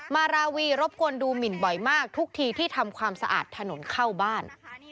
มาราวีรบกวนดูหมินบ่อยมากทุกทีที่ทำความสะอาดถนนเข้าบ้าน